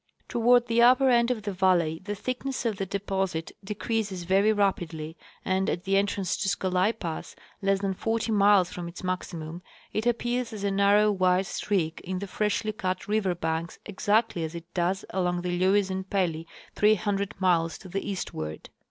Toward the upper end of the valley the thickness of the de posit decreases very rapidly, and at the entrance to Scolai pass, less than forty miles from its maximum, it appears as a narrow white streak in the freshly cut river banks, exactly as it does along the Lewes and Pell}^, 300 miles to the eastward.